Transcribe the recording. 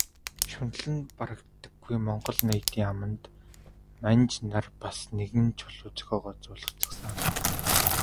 Шунал нь барагддаггүй монгол ноёдын аманд манж нар бас нэгэн чулуу зохиогоод зуулгачихсан.